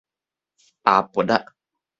阿勃仔